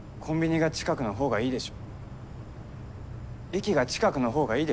駅が近くのほうがいいでしょ？